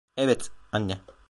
Evet, anne.